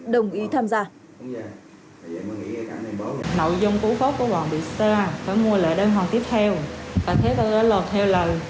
đồng ý tham gia nội dung của phố của bọn bị sa phải mua lợi đơn hoàn tiếp theo và thế có lợi theo